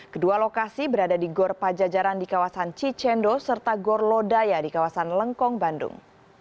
kedua lokasi berada di gor pajajaran di kawasan cicendo serta gor lodaya di kawasan lengkong bandung